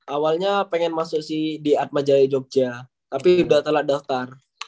awalnya pengen masuk si di atmajaya jogja tapi udah telat daftar